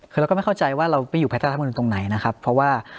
คือเราก็ไม่เข้าใจว่าเราไม่อยู่ภายใต้น้ำนูนตรงไหนนะครับเพราะว่า